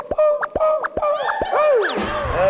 อ๋อพอบอกพอบอก